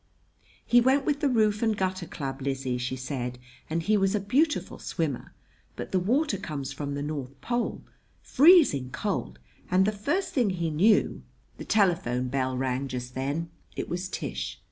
"He went with the Roof and Gutter Club, Lizzie," she said, "and he was a beautiful swimmer; but the water comes from the North Pole, freezing cold, and the first thing he knew " The telephone bell rang just then. It was Tish.